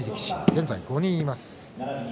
現在、５人います。